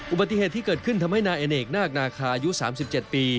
อุบัติเหตุที่เกิดขึ้นทำให้นายอเนกนาคนาคาอายุ๓๗ปี